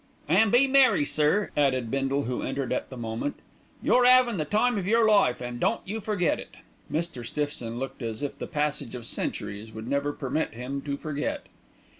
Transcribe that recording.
"An' be merry, sir," added Bindle, who entered at the moment. "You're 'avin' the time of your life, an' don't you forget it." Mr. Stiffson looked as if the passage of centuries would never permit him to forget.